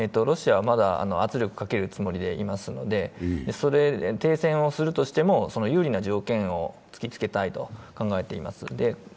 ロシアはまだ圧力をかけるつもりでおりますので停戦をするとしても有利な条件を突きつけたいと考えています。